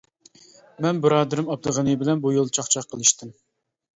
مەن بۇرادىرىم ئابدۇغېنى بىلەن بۇ يولدا چاقچاق قىلىشتىم.